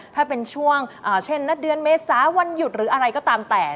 ถ้าเป็นช่วงเช่นณเดือนเมษาวันหยุดหรืออะไรก็ตามแต่